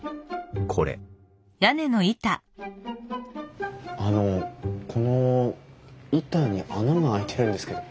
これあのこの板に穴が開いてるんですけど。